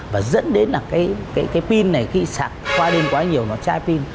và dẫn đến là cái pin này khi sạc qua đêm quá nhiều nó chai pin